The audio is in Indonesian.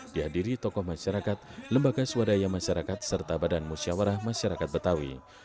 dihadiri tokoh masyarakat lembaga swadaya masyarakat serta badan musyawarah masyarakat betawi